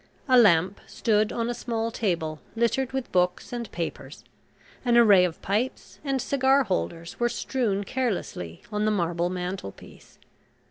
A lamp stood on a small table littered with books and papers; an array of pipes and cigar holders were strewn carelessly on the marble mantelpiece.